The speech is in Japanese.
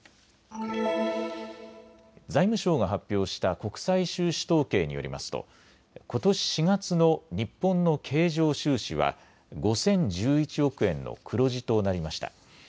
財務省が発表した国際収支統計によりますとことし４月の日本の経常収支は５０１１億円の黒字となりました。